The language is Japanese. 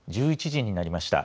１１時になりました。